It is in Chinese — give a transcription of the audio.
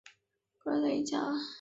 王掞在石槽迎驾。